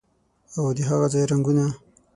او د هاغه ځای رنګونه